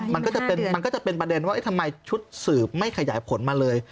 มันก็จะเป็นประเด็นว่าทำไมชุดสืบไม่ขยายผลมาเลย